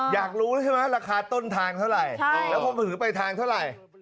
อยากรู้ใช่ไหมราคาต้นทางเท่าไหร่แล้วพอหือไปทางเท่าไหร่